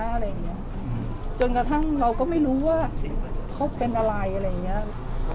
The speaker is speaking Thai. อะไรอย่างเงี้ยจนกระทั่งเราก็ไม่รู้ว่าเขาเป็นอะไรอะไรอย่างเงี้ย